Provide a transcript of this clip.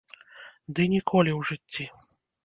Ды ніколі ў жыцці!